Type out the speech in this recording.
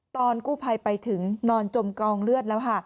ตอนกู้ภัยไปถึงนอนจมกองเลือดแล้วค่ะ